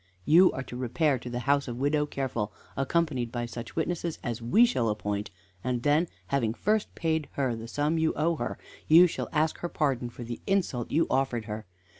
"You are to repair to the house of Widow Careful, accompanied by such witnesses as we shall appoint, and then, having first paid her the sum you owe her, you shall ask her pardon for the insult you offered her.